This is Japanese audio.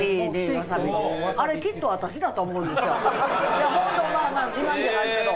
いや本当まあまあ自慢じゃないけど。